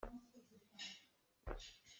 Thing a sammi khi ka naupa a si.